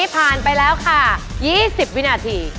น่าจะแพงสุดค่ะ